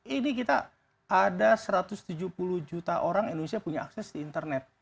ini kita ada satu ratus tujuh puluh juta orang indonesia punya akses di internet